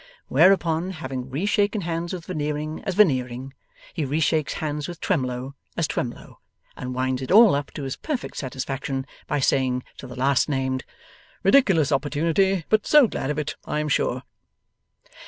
Whereupon, having re shaken hands with Veneering as Veneering, he re shakes hands with Twemlow as Twemlow, and winds it all up to his own perfect satisfaction by saying to the last named, 'Ridiculous opportunity but so glad of it, I am sure!